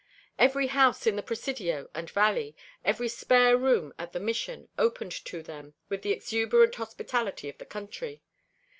Every house in the Presidio and valley, every spare room at the Mission, opened to them with the exuberant hospitality of the country.